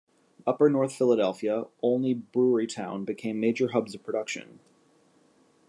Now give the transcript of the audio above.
Upper North Philadelphia, Olney, Brewerytown, became major hubs of production.